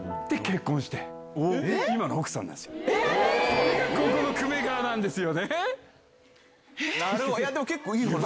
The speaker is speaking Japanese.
それがここの久米川なんですよね！